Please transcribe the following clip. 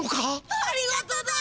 ありがとだ！